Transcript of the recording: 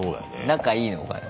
仲いいのかな？